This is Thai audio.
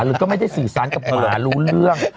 หรือก็ไม่ได้สื่อสารกับหมารู้เรื่อง